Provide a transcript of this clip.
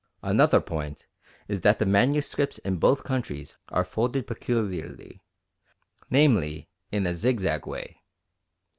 Another point is that the manuscripts in both countries are folded peculiarly, namely in a zigzag way.